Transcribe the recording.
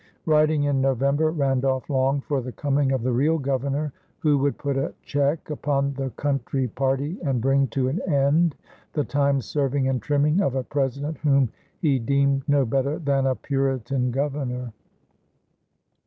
Writing in November, Randolph longed for the coming of the real governor, who would put a check upon the country party and bring to an end the time serving and trimming of a president whom he deemed no better than a Puritan governor.